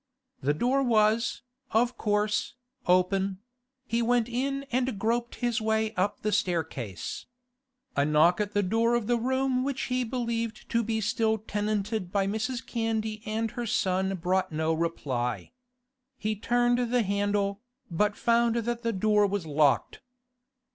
The door was, of course, open; he went in and groped his way up the staircase. A knock at the door of the room which he believed to be still tenanted by Mrs. Candy and her son brought no reply. He turned the handle, but found that the door was locked.